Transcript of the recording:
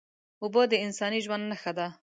اوبه د انساني ژوند نښه ده